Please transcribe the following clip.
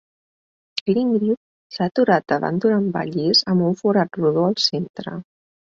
L'Ingrid s'ha aturat davant d'un envà llis amb un forat rodó al centre.